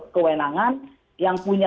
kewenangan yang punya